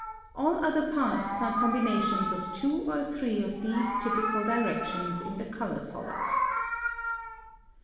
All other paths are combinations of two or three of these typical directions in the color solid.